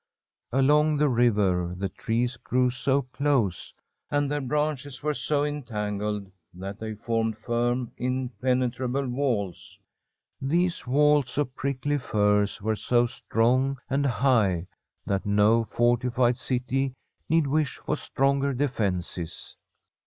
Along the river the trees g^ew so close, and their branches were so entangled, that they formed firm, impenetrable walls. These walls of prickly firs were so strong and high that no forti fied city need wish for stronger defences.